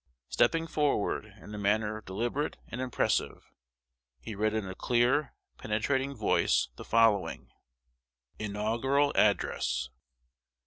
Stepping forward, in a manner deliberate and impressive, he read in a clear, penetrating voice, the following INAUGURAL ADDRESS.